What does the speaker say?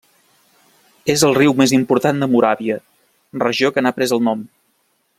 És el riu més important de Moràvia, regió que n'ha pres el nom.